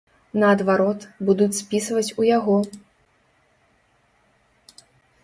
Наадварот, будуць спісваць у яго.